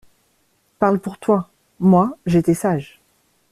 Parle pour toi. Moi, j’étais sage.